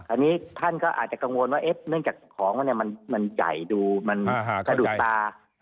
อันนี้ท่านก็อาจจะกังวลว่าเนื่องจากของมันใหญ่ดูมันสะดุดตา